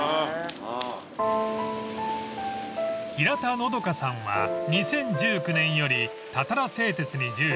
［平田のどかさんは２０１９年よりたたら製鉄に従事］